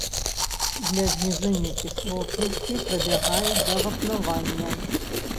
Для зніжэння кіслотнасці прыбягаюць да вапнавання.